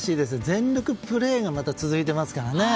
全力プレーが続いていますからね。